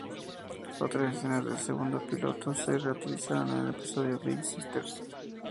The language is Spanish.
Otras escenas del segundo piloto se reutilizaron en el episodio "Big Sisters".